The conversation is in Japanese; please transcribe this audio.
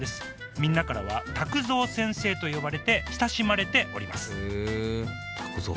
みんなからはタクゾー先生と呼ばれて親しまれておりますへえタクゾー